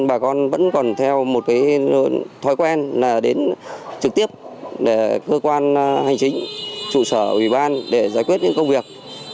bà con vẫn còn theo một thói quen là đến trực tiếp để cơ quan hành chính trụ sở ủy ban để giải quyết những công việc